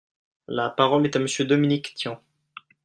La parole est à Monsieur Dominique Tian.